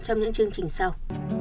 trong những chương trình sau